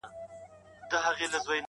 ویل ګوره چي ګنجی سر دي نیولی!.